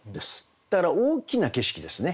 だから大きな景色ですね。